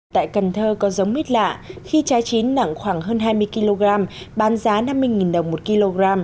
tại cần thơ có giống mít lạ khi trái chín nặng khoảng hơn hai mươi kg bán giá năm mươi đồng một kg